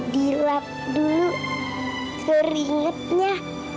dirap dulu keringetnya